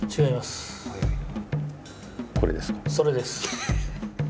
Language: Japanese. それです。